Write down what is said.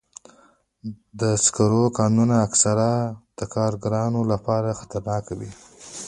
د سکرو کانونه اکثراً د کارګرانو لپاره خطرناک وي.